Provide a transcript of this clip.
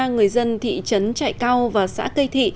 ba người dân thị trấn trại cao và xã cây thị